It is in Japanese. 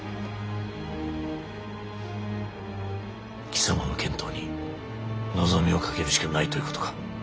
貴様の健闘に望みを懸けるしかないということか。